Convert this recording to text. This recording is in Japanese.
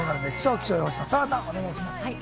気象予報士の澤さん、お願いします。